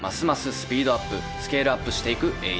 スピードアップスケールアップしていく栄一。